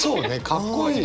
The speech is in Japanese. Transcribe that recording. かっこいい。